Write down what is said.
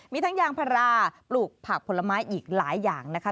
มีทั้งยางพาราปลูกผักผลไม้อีกหลายอย่างนะคะ